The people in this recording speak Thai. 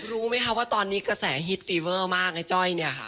รู้ไหมคะว่าตอนนี้กระแสฮิตฟีเวอร์มากไอ้จ้อยเนี่ยค่ะ